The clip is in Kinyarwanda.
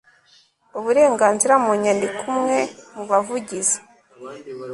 uburenganzira mu nyandiko umwe mu bavugizi